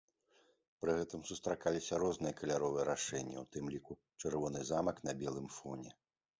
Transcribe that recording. Пры гэтым сустракаліся розныя каляровыя рашэнні, у тым ліку чырвоны замак на белым фоне.